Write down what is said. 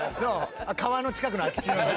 川の近くの空き地。